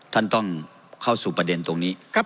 ท่านต้องเข้าสู่ประเด็นตรงนี้